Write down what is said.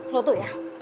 lo tuh ya